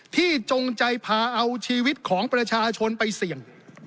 จงใจพาเอาชีวิตของประชาชนไปเสี่ยง